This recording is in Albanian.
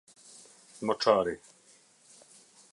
Moçari